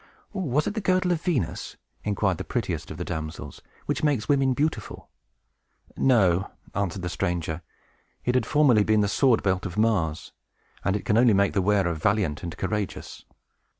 "Was it the girdle of Venus," inquired the prettiest of the damsels, "which makes women beautiful?" "No," answered the stranger. "It had formerly been the sword belt of Mars; and it can only make the wearer valiant and courageous."